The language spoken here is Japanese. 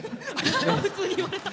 普通に言われた。